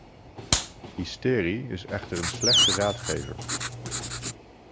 Hysterie is echter een slechte raadgever.